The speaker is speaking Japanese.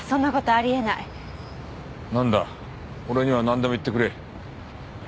俺にはなんでも言ってくれ。